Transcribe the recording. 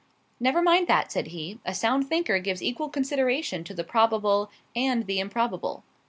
"Never mind that," said he. "A sound thinker gives equal consideration to the probable and the improbable."